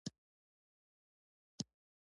مجازاتو کې نو دا سخت مجازات دي